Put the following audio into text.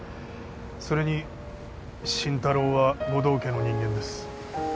それに心太朗は護道家の人間です